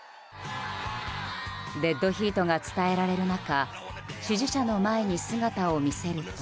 デッドヒートが伝えられる中支持者の前に姿を見せると。